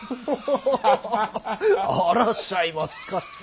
あらしゃいますかって。